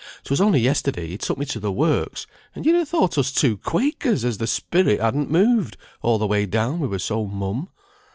'Twas only yesterday he took me to the works, and you'd ha' thought us two Quakers as the spirit hadn't moved, all the way down we were so mum.